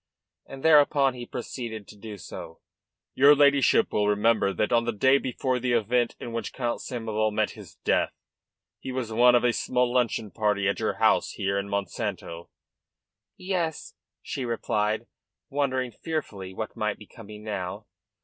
And thereupon he proceeded to do so: "Your ladyship will remember that on the day before the event in which Count Samoval met his death he was one of a small luncheon party at your house here in Monsanto." "Yes," she replied, wondering fearfully what might be coming now.